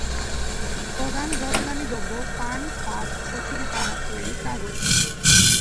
প্রধান রপ্তানিদ্রব্য পান, পাট, কচুরিপানার তৈরি কাগজ।